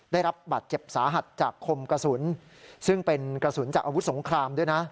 ได้รับบัตรเจ็บสาหัสจากคมกระสุนซึ่งเป็นกระสุนจากอาวุธสงครามด้วยนะ